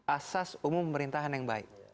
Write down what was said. asas umum pemerintahan yang baik